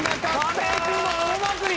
亀井君の大まくり！